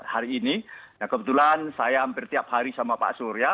hari ini nah kebetulan saya hampir tiap hari sama pak surya